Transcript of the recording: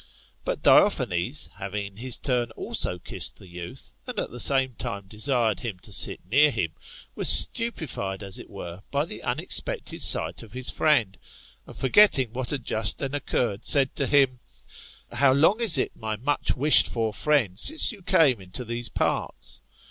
*'But DiophaneS; having in his turn also kissed the youth, and at the same time desired him to sit near him, was stupified, as it were, by the unexpected sight of his friend; and forgetting what had just then occurred, said to him, How long is it, my mudi wished for friend, since you came into these parts